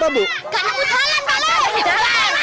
gak ada jalan malah ada jalan